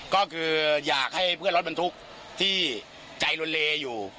ก็คืออยากให้เพื่อนรถบรรทุกที่ใจลนเลอยู่